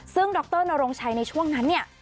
ซึ่งดรนโรงชัยในช่วงนั้นเนี่ย